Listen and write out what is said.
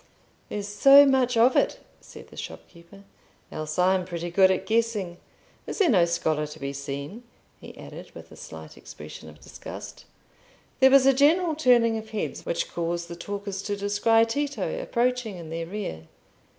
"There's so much of it," said the shopkeeper, "else I'm pretty good at guessing. Is there no scholar to be seen?" he added, with a slight expression of disgust. There was a general turning of heads, which caused the talkers to descry Tito approaching in their rear.